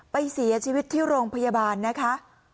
ไปเสียชีวิตที่โรงพยาบาลนะคะ